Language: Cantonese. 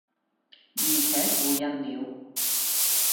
而且付印了，